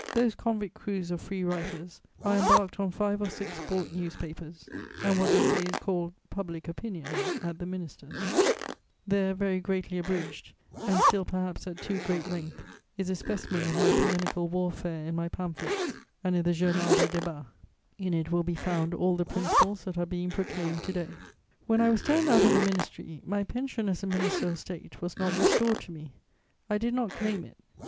Those convict crews of free writers are embarked on five or six bought newspapers, and what they say is called 'public opinion' at the Ministers'." There, very greatly abridged, and still perhaps at too great length, is a specimen of my polemical warfare in my pamphlets and in the Journal des Débats: in it will be found all the principles that are being proclaimed to day. [Sidenote: I refuse my pension.] When I was turned out of the ministry, my pension as a minister of State was not restored to me; I did not claim it; but M.